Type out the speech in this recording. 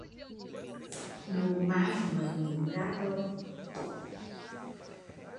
Nụ mai mới nhú ra rồi